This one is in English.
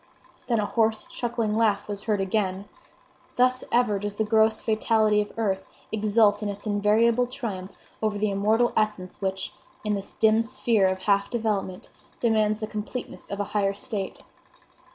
Then a hoarse, chuckling laugh was heard again! Thus ever does the gross fatality of earth exult in its invariable triumph over the immortal essence which, in this dim sphere of half development, demands the completeness of a higher state.